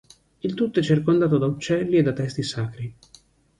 Il tutto è circondato da uccelli e da testi sacri.